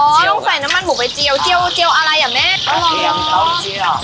อ๋อต้องใส่น้ำมันหมูไปเจียวเจียวเจียวอะไรอะแม่กระเทียมเต้าเจียว